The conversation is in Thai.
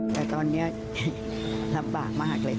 แต่ตอนนี้ลำบากมากเลย